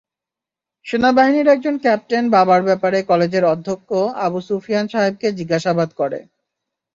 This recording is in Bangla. সেনাবাহিনীর একজন ক্যাপ্টেন বাবার ব্যাপারে কলেজের অধ্যক্ষ আবু সুফিয়ান সাহেবকে জিজ্ঞাসাবাদ করে।